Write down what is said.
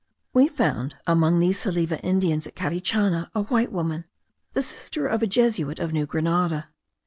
We found among these Salive Indians, at Carichana, a white woman, the sister of a Jesuit of New Grenada.